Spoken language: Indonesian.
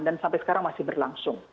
dan sampai sekarang masih berlangsung